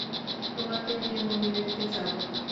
তোমাকে নিয়ে মুভি দেখতে যাব না।